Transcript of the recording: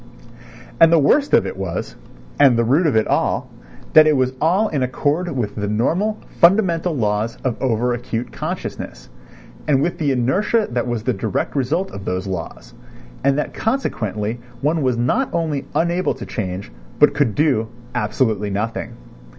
And the worst of it was, and the root of it all, that it was all in accord with the normal fundamental laws of over acute consciousness, and with the inertia that was the direct result of those laws, and that consequently one was not only unable to change but could do absolutely nothing.